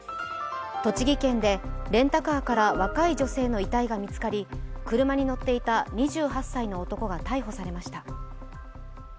栃木県でレンタカーから若い女性の遺体が見つかり車に乗っていた２８歳の男が逮捕されました。